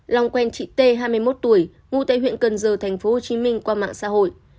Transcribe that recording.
long quen chị tê hai mươi một tuổi ngụ tại huyện cần giờ tp hcm qua mạng xã hội